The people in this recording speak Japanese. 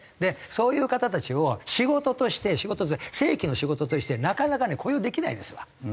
そういう方たちを仕事として正規の仕事としてなかなかね雇用できないんですわ地方はですね。